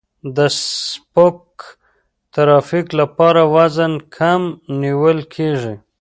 د سپک ترافیک لپاره وزن کم نیول کیږي